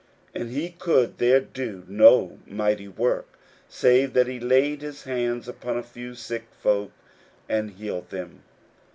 41:006:005 And he could there do no mighty work, save that he laid his hands upon a few sick folk, and healed them.